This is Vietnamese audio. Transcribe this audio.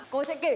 có đồ ăn rồi